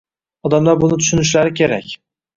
odamlar buni tushunishlari kerak.